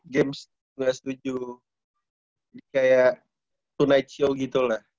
games gak setuju kayak tonight show gitu lah